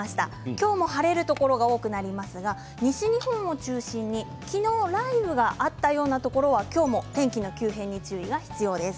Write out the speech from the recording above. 今日も晴れるところが多くなりますが、西日本を中心に昨日、雷雨があったようなところは今日も天気の急変に注意が必要です。